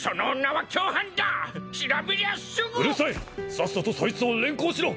さっさとそいつを連行しろ！